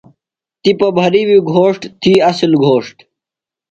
تِپہ بھرِیوی گھوݜٹ تھی اصل گھوݜٹ۔